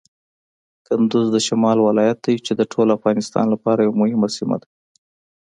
کندز د شمال ولایت دی چې د ټول افغانستان لپاره یوه مهمه سیمه ده.